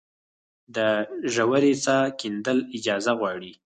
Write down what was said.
د ژورې څاه کیندل اجازه غواړي؟